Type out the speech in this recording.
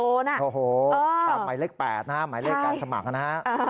โอ้โหตามหมายเลข๘นะฮะหมายเลขการสมัครนะฮะ